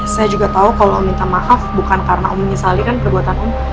saya juga tau kalo om minta maaf bukan karena om menyesalikan perbuatan om